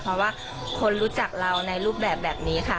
เพราะว่าคนรู้จักเราในรูปแบบนี้ค่ะ